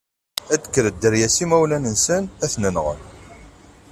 Ad d-tekker dderya s imawlan-nsen, ad ten-nɣen.